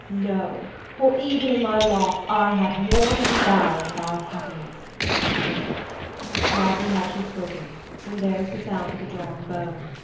No, for even in my loss I have more than thou in thy happiness!" Hardly had she spoken when there was the sound of a drawn bow.